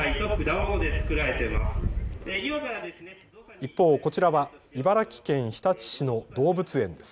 一方、こちらは茨城県日立市の動物園です。